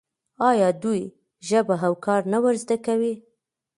آیا دوی ژبه او کار نه ور زده کوي؟